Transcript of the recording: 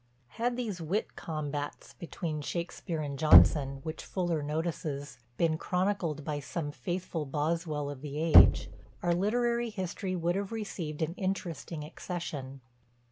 Had these "Wit combats," between Shakspeare and Jonson, which Fuller notices, been chronicled by some faithful Boswell of the age, our literary history would have received an interesting accession.